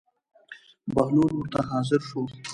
بهلول ورته حاضر شو.